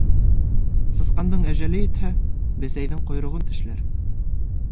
Сысҡандың әжәле етһә, бесәйҙең ҡойроғон тешләр.